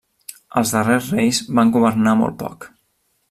Els darrers reis van governar molt poc.